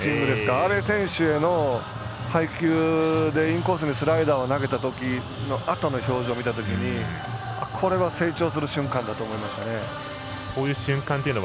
阿部選手への配球でインコースにスライダーを投げたときのあとの表情を見たときにこれは成長する瞬間だと思いました。